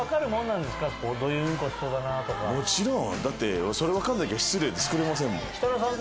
もちろんだってそれわかんなきゃ失礼で作れませんもん。